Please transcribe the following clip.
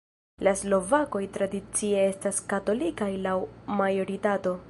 La slovakoj tradicie estas katolikaj laŭ majoritato.